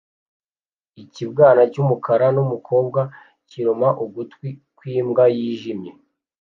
Ikibwana cyumukara numukobwa kiruma ugutwi kwimbwa yijimye